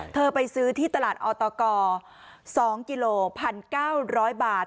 เธอไปซื้อที่ตลาดอตก๒กิโลพันเก้าร้อยบาท